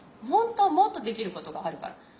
本当はもっとできることがあるから。